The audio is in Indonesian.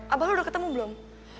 abah lo udah ketemu belum